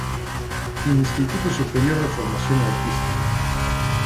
Instituto Superior de Formación Artística.